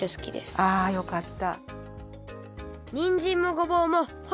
あよかった。